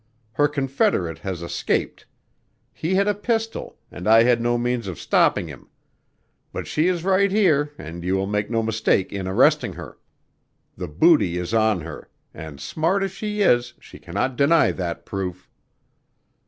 Her confederate has escaped. He had a pistol and I had no means of stopping him. But she is right here and you will make no mistake in arresting her. The booty is on her, and smart as she is, she cannot deny that proof."